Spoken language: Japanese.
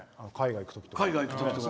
海外行くときとか。